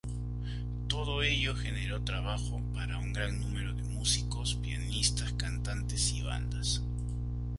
Todo ello generó trabajo para un gran número de músicos, pianistas, cantantes y bandas.